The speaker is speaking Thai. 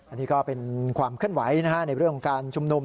อันนี้ก็เป็นความเคลื่อนไหวในเรื่องของการชุมนุม